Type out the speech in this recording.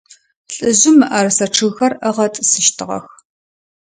Лӏыжъым мыӏэрысэ чъыгхэр ыгъэтӏысыщтыгъэх.